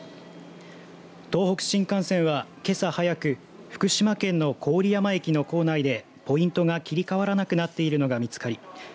東北新幹線は、けさ早く福島県の郡山駅の構内でポイントが切り替わらなくなっているのが見つかり